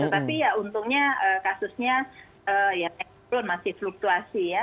tapi ya untungnya kasusnya masih fluktuasi ya